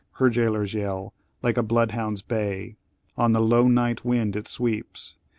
her jailor's yell! like a bloodhound's bay On the low night wind it sweeps!